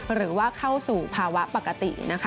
หรือว่าเข้าสู่ภาวะปกตินะคะ